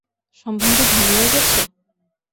সম্বন্ধ ভাঙিয়া গেছে?